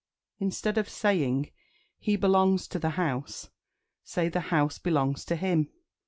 Instead of saying "He belongs to the house," say "The house belongs to him."